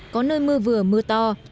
có nơi mưa vừa mưa to